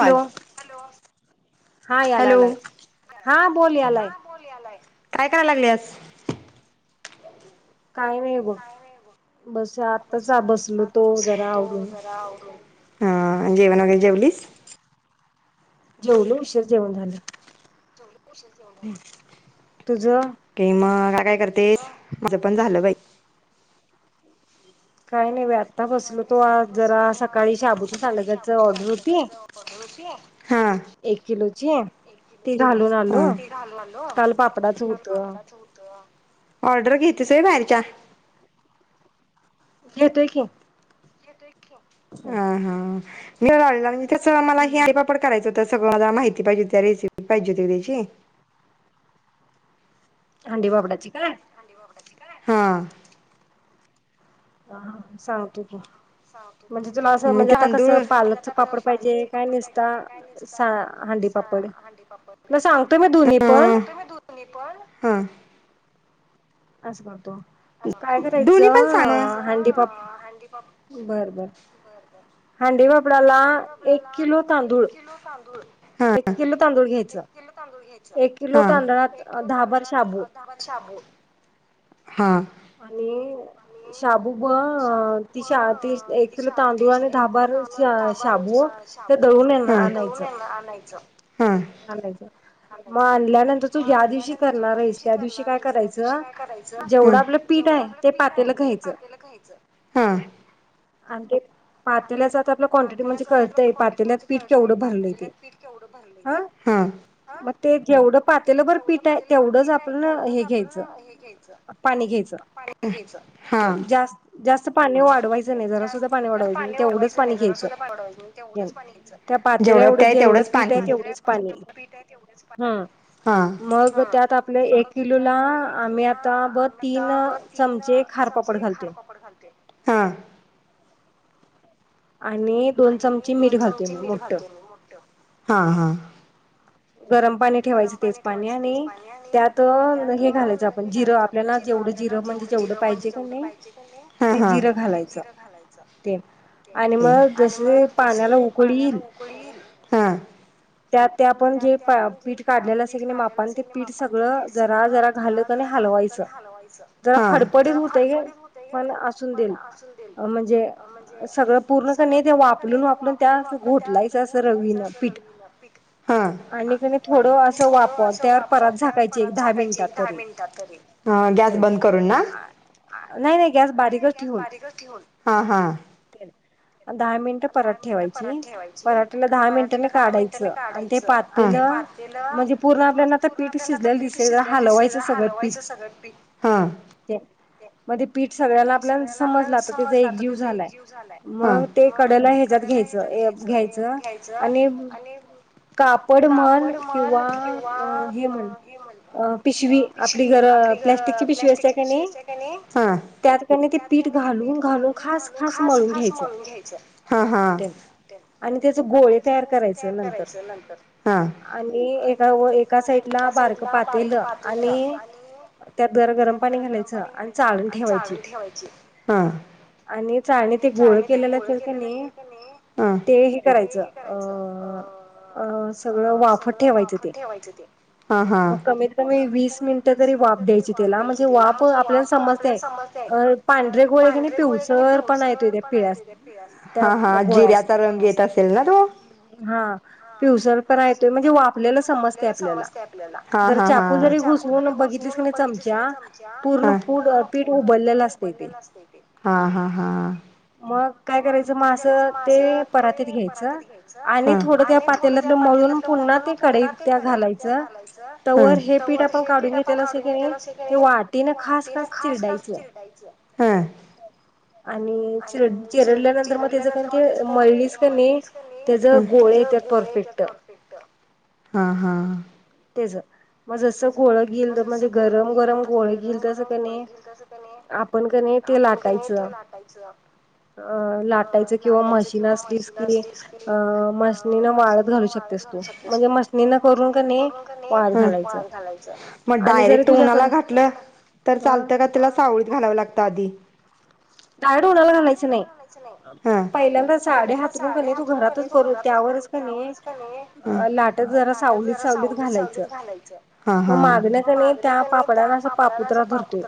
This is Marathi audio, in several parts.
हॅलो! हा या लागलाय, हा! बोल यालाय बोल यालाय! काय करायला लागली यांस? काय नाही बघ! बस आताच, बसल तो जरा आवरून. हा! जेवण वगैरे जेवलीस? जेवलो! उशीर जेवण झालं. [inaudible] की मग आता का काय करतेस, माझं पण झालं बाई. काही नाही आता बसलो तो, आज जरा सकाळी शाबुची सांडग्याची ऑर्डर होती. एक किलो ची- एक किलोची, ती घालू आलो. काल पापडाच होतं. ऑर्डर घेतीस होय बाहेरच्या? घेतोय की! घेतोय की! [unintelligible] हा जरा त्याचं मला खिचे पापड करायचंत. तर सगळं मला माहिती पाहिजे. त्या रेसिपी पाहिजे होती त्याची [unintelligible] हा! हा! सांगतो की, म्हणजे तुला असं, म्हणजे आता कसं पालकच पापड पाहिजे. काय नसता सा हांडीपापड. ना सांगतो मी दोन्ही पण दोन्ही पण, हम्म असं करतो. काय करायचं, हंडी पाप, बरं बरं हांडी पापडाला एक किलो तांदूळ एक किलो तांदूळ घ्यायचं. एक किलो तांदळात दहा-बार शाबू. वत शाबू हा. आणि शाबू ब ती शा ती एक किलो तांदूळ आणि दहा बार श शाबू ते दळून येण आणायचं. आणायचं. आणायचं. मग आणल्यानंतर तू ज्या दिवशी करणार आहेस त्या दिवशी काय करायचं, जेवढं आपलं जेवढं आपलं पीठ आहे ते पातेलं खायचं हां अनकेत. पातेल्याचं आता आपलं क्वांटिटी म्हणजे कळतंय पातेल्यात पीठ केवढं भरलंय ते. केवढं भरलय ते हं. मग ते जेवढं पातेलभर पीठ आहे, तेवढंच आपल्यान हे घ्यायचं. ते घ्यायचं. पाणी घ्यायचं, ते जास जास्त पाणी वाढवाय च नाही, जरा सुद्धा पाणी वाढवायचं नाही, तेवढंच पाणी घ्यायचं, घेन त्या पातेल्या एवढं जेवढं पीठ आहे तेवढंच पाणी. हम्म, मग त्यात आपलं एक किलोला आम्ही आता बत तीन चमचे खारपापड घालतोय. पापड घालतोय, हां. आणि आणि दोन चमचे मीठ घालतोय मी मोठं हां, हा. गरम पाणी ठेवायचं तेच पाणी आणि त्यात हे घालायचं आपण जिरं आपल्या ना जेवढं जिरं म्हणजे जेवढं पाहिजे का नाही, ते जिरं घालायचं, ते आणि मग जसं ते पाण्याला उकळी यिल उकळी यिल हां. त्यात ते आपण जे पा पीठ काढलेलं असतंय का नाही मापानं, ते पीठ सगळं जरा जरा घालत का नाही हलवायचं, हां, जरा फडफडीत होतंय का नाही पण असून देल अ... म्हणजे सगळं पूर्ण का नाही ते वाफलून वाफडून त्या असं घोठलायचं असं रवीनं पीठ. हं, आणि का नाही थोडं असं वापवा त्यावर परात झाकायची एक दहा मिनिटं तरी अ... गॅस बंद करून ना, आ नाही नाही गॅस बारीकच ठेवून हां हा. तेल दहा मिनिटं परात ठेवायची, पराठीला दहा मिनिटांनी काढाय काढायचं, हं, ते पातेलं म्हणजे पूर्ण आपल्याला आता पीठ शिजल्यालं दिसेल [unintelligible] हलवायचं सगळं. पीठ हा. ते. मग ते पीठ सगळ्याला आपल्यान समजलं आता त्याचा एकजीव झालाय, मग ते कढ ते कडेला ह्याच्यात घ्यायचं, हे घ्यायचं आणि कापड म्हण किंवा अ... हे म्हण अ... पिशवी. आपली घर प्लॅस्टिकची पिशवी असतिया की नाही, त्यात का नाही ते पीठ घालून घालून खास खास मळून घ्यायचं, त्याल आणि त्याचं गोळे तयार करायचं. नंतर आणि एका व एका साईटला बारकं पातेलं आणि त्यात गर गरम पाणी घालायचं आणि चाळण ठेवायची. आणि चाळणीत ते गोळ केलेला असत्यात की नाही ते हे करायचं अं अं सगळं वाफत ठेवायचं ते, मग कमीत कमी वीस मिन नटं तरी वाफ द्यायची त्याला म्हणजे वाफ आपल्याला समजतंय, पांढरे गोळे कणी पिऊस पिवसरपणा येतो त्या पिळ्यास्नी. हा, हा जिऱ्याचा रंग येत असेल ना तो. हां पिवसरपणा येतोय, म्हणजे वाफलेला समजतंय आपल्याला. हं, हं, हं. चाकू जरी घुसवून बघितलीस ना चमचा, पूर्ण पूड पीठ उबललेला असं. हा हा हा. मग काय करायचं, म असं ते परातीत घ्यायचं. आणि थोडं त्या पातेल्यातलं मळून पुन्हा ते कढईत त्या घालायचं. हं तवर हे पीठ आपण काढून घेतलेलं असतं का नही, ते वाटीनं खास खास चिरडायचं. हं. आणि चिरडची चि चिरडल्यानंतर म त्याच कारण कि मैलीस का नही जर गोळे त्या परफेक्ट. [unintelligible] हा, हा. ते ज. माझं सं गोळ गेल, म्हणजे गरम गरम गोळ गेत्यात्याचं कनी आप आपण कनि ते लाटायचं. चं अं लाटायच किंवा म्हशीन असलीस की, अ मशीिनीन वाळत घालू शकतेस तू. म्हणजे मसनीनं करून कनही कनही वाळत घालायचं. मं डायरेक्ट उनाला घातलं तर चालतं का त्याला? पावळीत घालावं लागतं आधी डायरेक्ट उन्हाला घालायचं नही. पहिल्यादा साडी हातरून कनी तू घरातच करू त्यावरच कनई. अं लाटं जरा सावलीत सावलीत घालायचं. मग मागनं कनै, त्या पापडांला असा पापुद्रा धरतोय.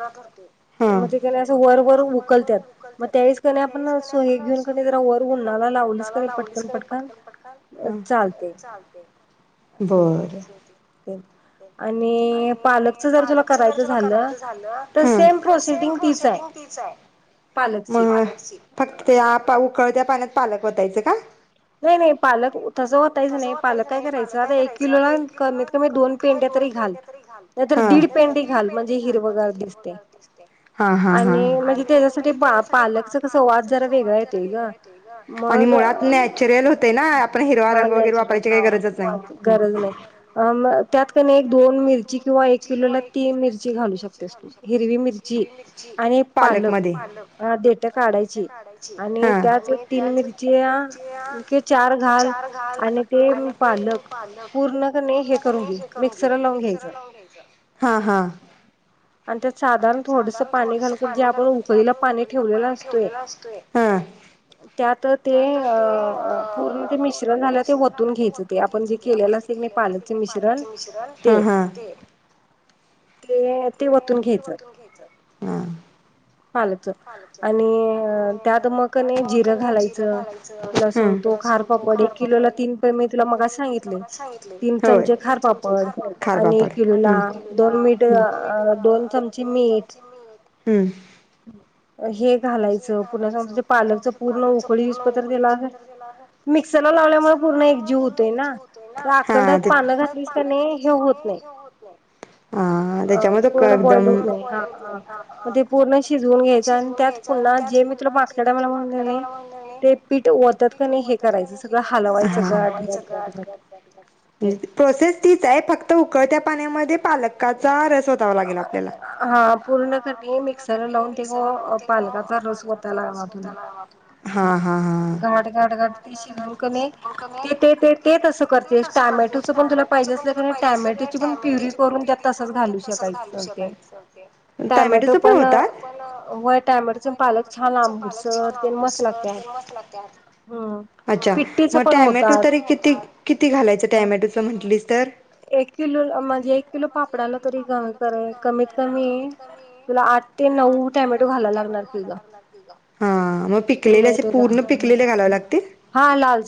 म्हणजे केला ही असं वरवरून उकत्यात म त्यावेळेस कनी आपण सोहे घेऊन कनी जरा वर उन्हाला लावलीस का नही पटकन पटकन हं, चालतंय बरं ते आणि पालकचं जर तुला करायचं झालं, तर सेम प्रोसिडींग तीच आहे. तिच आहे. मग फक्त त्या उकळत्या पाण्यात पालक वतायचं का? नही नही पालक तसं ओतायचं नाही. पालक काय करायचं, आता एक किलोला कमीत कमी दोन पेंढ्या तरी घाल, नाहीतर दीड पेंढी घाल म्हणजे हिरवंगार दिसतंय. आणि म्हणजे त्याच्यासाठी बा पालकचा वास कसा जरा वेगळा येतोय गं. आणि मुळात नॅचरल होतंय ना. आपण हिरवा रंग वगैरे वापरायची काही गरजच नाही. गरज नही. अं मग त्यात कनी, एक, दोन मिरची किंवा एक किलोला तीन मिरची घालू शकतेस तू हिरवी मिरची. ची आणि पालक देठं काढायची, आणि त्याच त्याच तीन मिरच्या ते चार घाल आणि ते पालक पूर्ण कनी हे [inaudible] मिक्सरला लावून घ्यायचं. हं, हं. आणि त्यात साधारण थोडसं पाणी घाल, जे आपण उकळीला पाणी ठेवलेलं असतोय. त्यात ते अ.. पूर्ण ते मिश्रण झालं ते वोतून घ्यायचं ते आपण जे केलेलं असेल पालक च मिश्रण ते ते ते वोतून घ्यायचं. हा. पालच [unintelligible] आणि त्यात मग का नाही जिरं घालायचं, लसूण तो खार पापड एक किलोला तीन पे मी तुला मगा सांगितले तीन चमचे खार पापड आणि किलोला दोन मीठ दोन चमचे मीठ. हम्म. हे.. हे घालायचं पुन्हा स [unintelligible] पूर्ण उकळी येऊस तर त्याला. मिक्सरला लावल्यामुळे पूर्ण एक जीव होतोय ना त्या अखंडात पानं घातलीस का नाही हे होत नाही. अ पूर्ण बॉइल होत नाही हा मग ते पूर्ण शिजवून घ्यायचं आणि त्यात पुन्हा जे मी तुला मागच्या टाईयमला म्हणल की नाही ते पीठ ओतात का नाही हे करायचं हे करायचं हालवायचं गाठ [unintelligible] प्रोसेस तीच आहे फक्त उकळत्या पाण्यामध्ये पालकाचा रस हा पूर्ण का नाही मिक्सरला लावून तो पालका रस ओताला बाजूला घाट, घाट, घाट ते शिजवून का नाही ते ते ते ते तसं करते टॅमॅटोचं पण तुला पाहिजे अस टॅमॅटोची पण प्युरी करून त्यात तसंच घालून शेकाय घालून शेकायच ते टयमॅटोच पण होतात? पण होय टोमॅटोच टोमॅटोच त्या पालक छान आंबुडसर ते मस्त लागत्यात. अच्छा मग टॅमॅटो तरी किती, किती घालायच टॅमॅटो? म्हटलीस तर? एक किलो म्हणजे एक किलो पापडाला तरी कमीत, कमी तुला आठ ते नऊ टॅमॅटो घाला लागणार तुला. हा मग पिकलेले असे पूर्ण पिकलेले घालाव लागतील?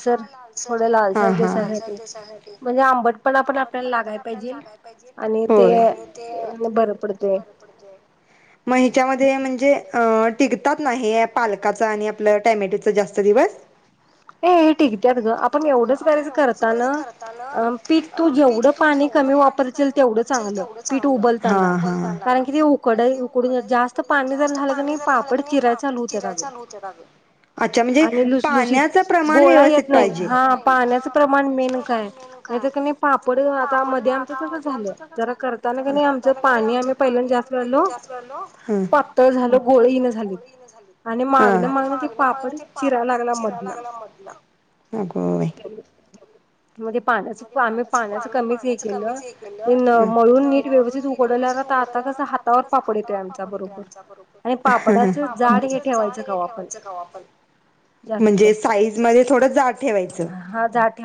हा लाल सर, लाल सर दिसायसाठी म्हणजे आंबटपणा पण आपल्याला लागायला पाहिजे आणि ते म्ह हिच्यामध्ये म्हणजे अ टिकतात ना हे पालकाचं आणि आपलं टॅमॅटोचा जास्त दिवस? ए हे टिकत्यात ग आपण एवढंच करायच करताना अ पीठ तू जेवढं पाणी कमी वापरशिल तेवढं चांगलं पीठ उबलताना कारण की ते उकड उकडून जास्त पाणी जर झाल आणि जर झालतर पापड चिरायला चालू होतात अग अच्छा म्हणजे पाण्याचा प्रमाण प्रमाणे व्यवस्थित पाहिजे हा पाण्याचा प्रमाण नेमक आहे नाही तर तुम्ही पापड मधी आमच तस झालं जरा करताना की आमच पाणी आम्ही पहिल्या जास्त झालो पातळ झाल पातळ झालं गोळे येन झाले आणि मागन, मागन ते पापड चिरा लागला मधन. अग बाई. ह [unintelligible] म ते पाण्याच आम्ही पाण्याच कमीच हे केलं ते मळून नीट व्यवस्थित पाठलाग आता कस हातावर पापड येतो आमच्या बरोबर आणि पापडाच जाड हे ठेवायचं का हो आपण जास्तीत, जास्त. मध्ये थोडं जाड ठेवायचं.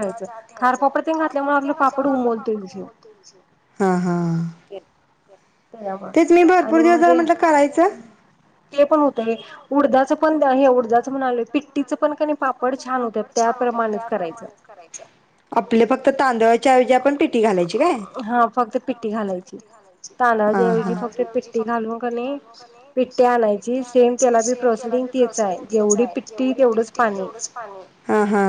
हा, जाड ठेवायचं. खार पापड तेनं घातल्यामुळं आपला पापड उमलतोय म्हणजे तेच मी भरपूर दिवस झाल. म्हटलं करायचं ते पण होतय. उडदाच पण हे उडदाच म्हनालोय. पिट्टींचं पण कणय पाप पापड छान होत्यात. त्या प्रमाणेच करायचं. [unintelligible] आपले फक्त तांदळाच्याऐवजी आपण पिटी घालायची काय? हो फक्त पिटी घालाय यची, हा हा, तांदळाच्या ऐवजी फक्त पिटी घालून कनी, पिटी आणायची सेम त्याला बी पॉसिडींग तीच आय. जेवढी पिट्टी तेवढंच पाणी, ह ह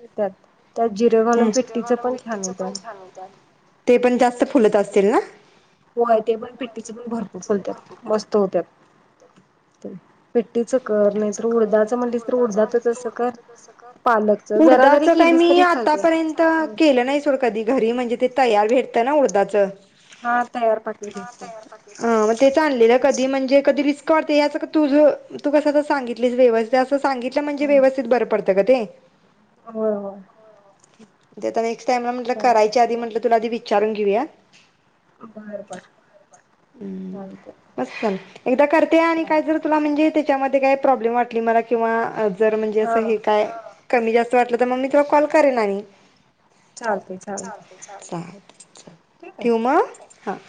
येत्यात. त्यात जिरे घालून पिट्टीच पण पीठीच पण छान हुत्यात. ते पण जास्त फुलत असतील ना व्हय. ते पण पिट्टीचे पण भरपूर फुलत्यात. मस्त हुत्यात. पिट्टीचं कर, नायतर उडदाच म्हणलीस तर, उडदाच तसं कर. पालक उडदाच काय मी आतापर्यंत केलं नाय तर कधी घरी म्हणजे ते तयार भेटत ना उडदाच हा तयार पाकिट भेटत. अ म तेच आणललेलं कधी म्हणजे कधी रिस्क वाटते. याच क तुझ तू कसं आता सांगितलीस व्यवस्थित असं सांगितलं म्हणजे व्यवस्थित बरं पडतं गं ते हा होय होय. ते आता नेक्स्ट टाईमला म्हटलं करायच्या आधी म्हटलं तुला आधी विचारून घेऊया. हम्म, मस्त एकदा करते. आणि काय जर तुला म्हणजे त्याच्यामध्ये काय प्रॉब्लेम वाटली मला, किंवा जर म्हणजे असं हे काय? कमी जास्त वाटलं त म मी तुला कॉल करेन. आणि चालतंय. चालतंय चालतंय, चालतंय चाल ठेवू म, हं